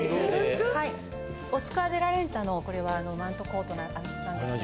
オスカーデラレンタのこれはマントコートなんですが。